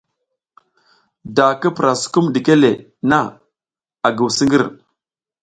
Da ki pura sukum ɗike le na, a nguw siƞgir.